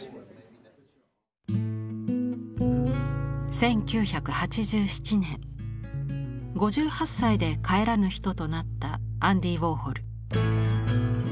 １９８７年５８歳で帰らぬ人となったアンディ・ウォーホル。